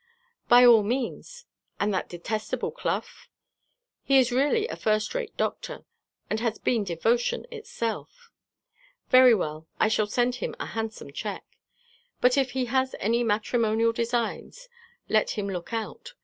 "By all means. And that detestable Clough?" "He is really a first rate doctor, and has been devotion itself." "Very well: I shall send him a handsome cheque. But if he has any matrimonial designs, let him look out.